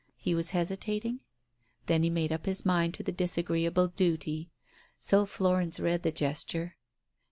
He was hesitating? ... Then he made up his mind to the disagreeable duty. So Florence read the gesture.